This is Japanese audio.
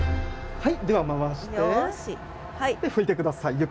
はい。